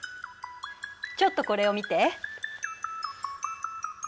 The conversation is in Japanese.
ちょっとこれを見て。